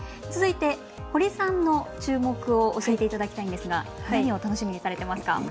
続いて、堀さんの注目を教えていただきたいんですが何を楽しみにされていますか？